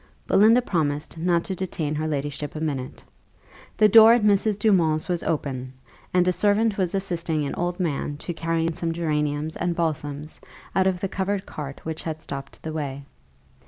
Belinda promised not to detain her ladyship a minute. The door at Mrs. Dumont's was open, and a servant was assisting an old man to carry in some geraniums and balsams out of the covered cart which had stopped the way.